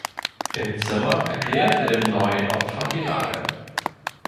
Im Zimmer erklärt er dem neuen Opfer die Lage.